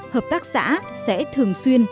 hợp tác xã sẽ thường xuyên